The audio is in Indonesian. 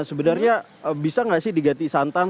sebenarnya bisa nggak sih diganti santan